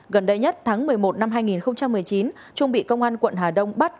gần đây nhất tháng một mươi một năm hai nghìn một mươi chín trung bị công an quận hà đông bắt